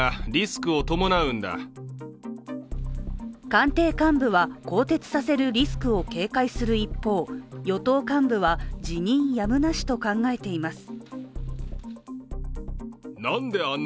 官邸幹部は更迭させるリスクを警戒する一方、与党幹部は辞任やむなしと考えています。